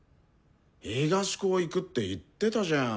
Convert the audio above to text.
東高行くって言ってたじゃん。